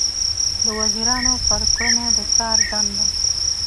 د وزیرانو پر کړنو د څار دنده